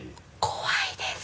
怖いです。